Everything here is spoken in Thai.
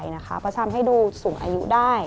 เพราะทำให้ดูสูงอายุได้